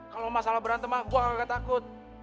kalo masalah berantemah gua kagak takut